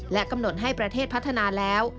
และกำหนดให้ประเทศพัฒนาแล้ว